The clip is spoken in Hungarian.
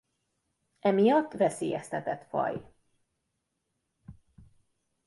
Emiatt veszélyeztetett faj.